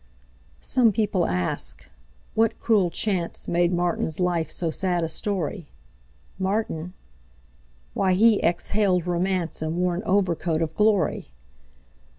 Some people ask: What cruel chanceMade Martin's life so sad a story? Martin? Why, he exhaled romanceAnd wore an overcoat of glory.